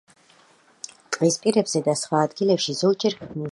ტყის პირებზე და სხვა ადგილებში, ზოგჯერ ქმნის რაყას.